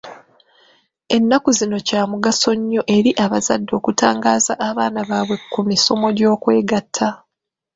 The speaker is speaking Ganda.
Ennaku zino kya mugaso nnyo eri abazadde okutangaaza abaana baabwe ku misomo gy'okwegatta.